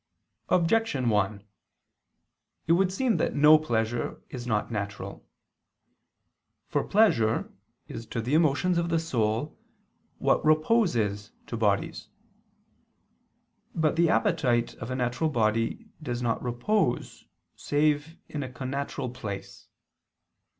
Objection 1: It would seem that no pleasure is not natural. For pleasure is to the emotions of the soul what repose is to bodies. But the appetite of a natural body does not repose save in a connatural place.